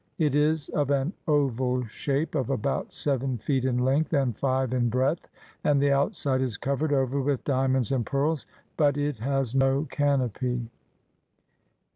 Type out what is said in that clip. It is of an oval shape of about seven feet in length and five in breadth, and the outside is covered over with diamonds and pearls, but it has no canopy.